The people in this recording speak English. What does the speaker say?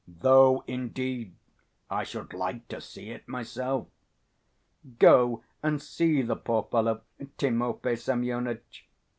Though, indeed, I should like to see it myself." "Go and see the poor fellow, Timofey Semyonitch."